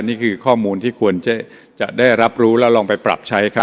นี่คือข้อมูลที่ควรจะได้รับรู้แล้วลองไปปรับใช้ครับ